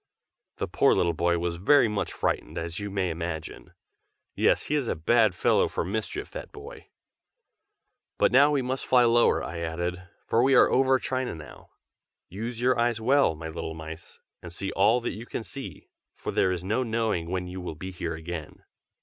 The poor little boy was very much frightened, as you may imagine. Yes, he is a bad fellow for mischief, that boy. "But now we must fly lower," I added, "for we are over China now. Use your eyes well, my little mice, and see all that you can see, for there is no knowing when you will be here again."